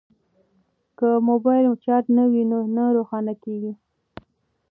که موبایل چارج نه وي نو نه روښانه کیږي.